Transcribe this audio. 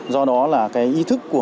do đó là cái ý thức của